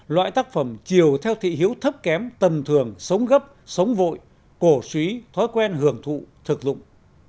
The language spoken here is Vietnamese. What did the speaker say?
loại tác phẩm chiều theo thị hiếu thấp kém tầm thường sống gấp sống vội cổ suý thói quen hưởng thụ thực dụng